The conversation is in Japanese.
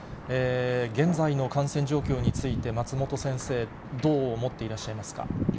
現在の感染状況について、松本先生、どう思っていらっしゃいます